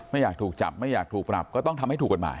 ไม่อยากถูกจับไม่อยากถูกปรับก็ต้องทำให้ถูกกฎหมาย